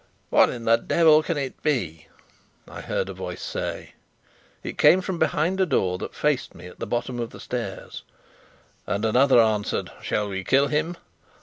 "What in the devil can it be?" I heard a voice say. It came from behind a door that faced me at the bottom of the stairs. And another answered: "Shall we kill him?"